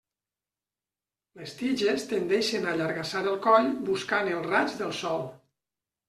Les tiges tendeixen a allargassar el coll buscant el raig del sol.